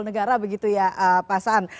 negara begitu ya pak saan